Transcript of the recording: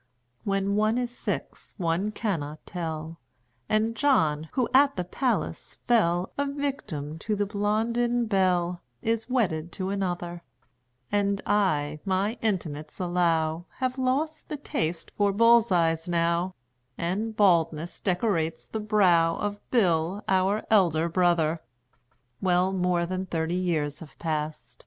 When one is six one cannot tell; And John, who at the Palace fell A victim to the Blondin Belle, Is wedded to another; And I, my intimates allow, Have lost the taste for bull's eyes now, And baldness decorates the brow Of Bill, our elder brother. Well, more than thirty years have passed...